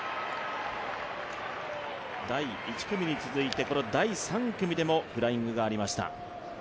第１組に続いて、この第３組でもフライングがありました。